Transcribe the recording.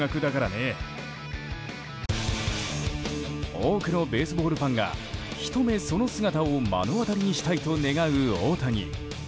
多くのベースボールファンがひと目、その姿を目を当たりにしたいと願う大谷。